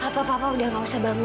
papa papa udah gak usah bangun